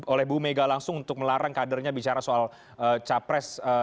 oleh bu mega langsung untuk melarang kadernya bicara soal capres